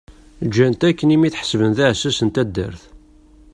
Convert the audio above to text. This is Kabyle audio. Ǧǧan-t akken imi t-ḥesben d aɛessas n taddart.